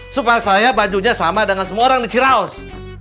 supaya saya bajunya sama dengan semua orang di ciraos